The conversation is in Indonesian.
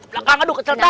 lekang aduh keceletak